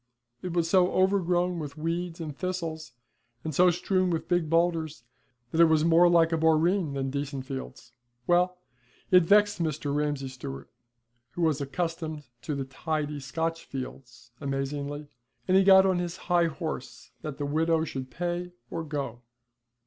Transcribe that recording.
It was so overgrown with weeds and thistles, and so strewn with big boulders, that it was more like a boreen than decent fields. Well, it vexed Mr. Ramsay Stewart, who was accustomed to the tidy Scotch fields, amazingly, and he got on his high horse that the widow should pay or go.